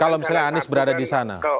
kalau misalnya anies berada di sana